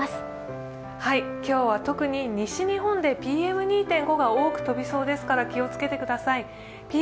今日は特に西日本でＰＭ２．５が多く飛びそうですから気を付けてください。